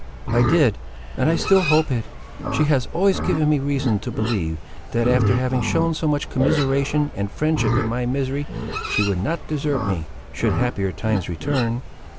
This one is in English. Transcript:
"I did; and I still hope it. She has always given me reason to believe, that after having shown so much commiseration and friendship in my misery, she would not desert me, should happier times return."